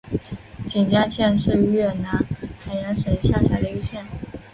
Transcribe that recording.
锦江县是越南海阳省下辖的一个县。